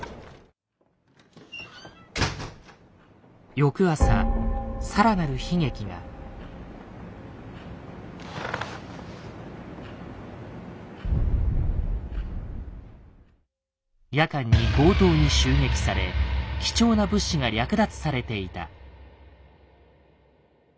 翌朝夜間に強盗に襲撃され貴重な物資が略奪されていた。